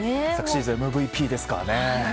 昨シーズンＭＶＰですからね。